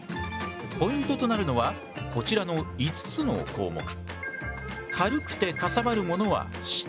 ポイントとなるのはこちらの５つの項目。